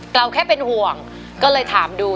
เราแค่เป็นห่วงก็เลยถามดู